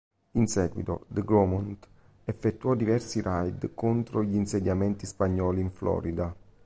In seguito, de Grammont effettuò diversi raid contro gli insediamenti spagnoli in Florida.